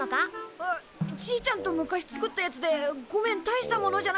あじいちゃんと昔作ったやつでごめんたいしたものじゃないんだ。